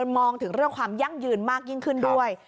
มองถึงเรื่องความยั่งยืนมากยิ่งขึ้นด้วย